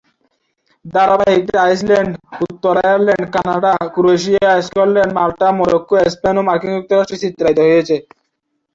ধারাবাহিকটি Iceland, উত্তর Ireland, Canada, Croatia, Scotland, Malta, Morocco, Spain ও মার্কিন যুক্তরাষ্ট্রে চিত্রায়িত হয়েছে।